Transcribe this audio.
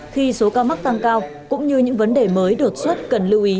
khi số ca mắc tăng cao cũng như những vấn đề mới đột xuất cần lưu ý